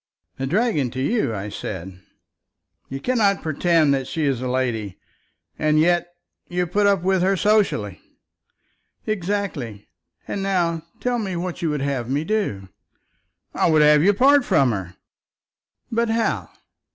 "A dragon to you, I said." "You cannot pretend that she is a lady, and yet you put up with her society." "Exactly. And now tell me what you would have me do." "I would have you part from her." "But how?